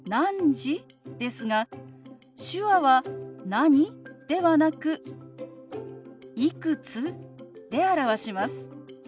ですが手話は「何？」ではなく「いくつ？」で表します。